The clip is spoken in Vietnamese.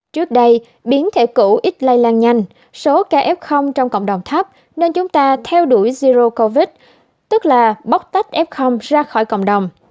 trước đây biến thể cũ ít lây lan nhanh số kf trong cộng đồng thấp nên chúng ta theo đuổi zero covid tức là bóc tách f ra khỏi cộng đồng